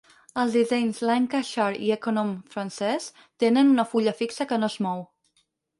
El dissenys Lancashire i "Econome" francès tenen una fulla fixa que no es mou.